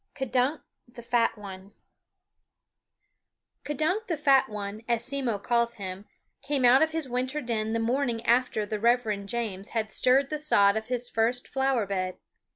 K'DUNK THE FAT ONE K'dunk the Fat One, as Simmo calls him, came out of his winter den the morning after the Reverend James had stirred the sod of his first flower bed.